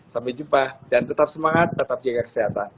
sampai jumpa dan tetap semangat tetap jaga kesehatan